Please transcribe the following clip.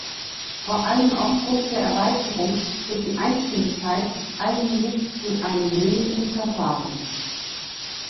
Vor allem aufgrund der Erweiterung wird die Einstimmigkeit allmählich zu einem lähmenden Verfahren.